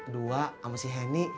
dua sama si henny